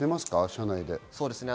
社内で。